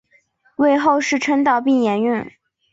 为后世称道并沿用。